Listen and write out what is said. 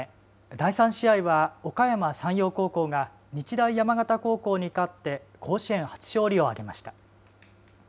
第３試合はおかやま山陽高校が日大山形高校に勝って甲子園初勝利を挙げました。